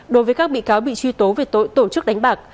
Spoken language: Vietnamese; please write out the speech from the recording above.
đối với các bị cáo bị truy tố về tội tổ chức đánh bạc